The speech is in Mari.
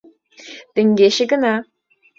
Теҥгече гына...